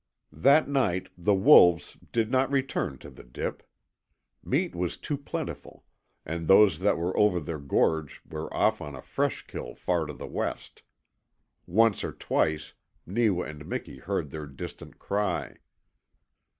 That night the wolves did not return to the dip. Meat was too plentiful, and those that were over their gorge were off on a fresh kill far to the west. Once or twice Neewa and Miki heard their distant cry.